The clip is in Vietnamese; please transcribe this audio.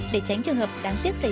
nào rồi rồi bạn tiếp theo